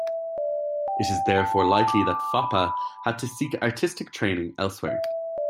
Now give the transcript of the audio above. It is therefore likely that Foppa had to seek artistic training elsewhere.